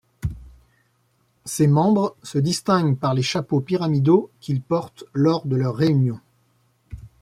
Ses membres se distinguent par les chapeaux pyramidaux qu'ils portent lors de leurs réunions.